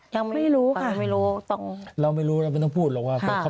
ยังไม่รู้ค่ะไม่รู้ต้องเราไม่รู้เราไม่ต้องพูดหรอกว่า